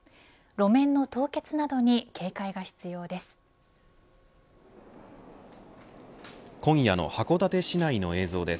路面の凍結などに警戒が必要です。